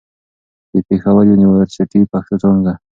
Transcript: د پېښور يونيورسټۍ، پښتو څانګه